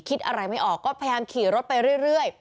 คิดอะไรไม่ออกก็พยายามขี่รถไปเรื่อย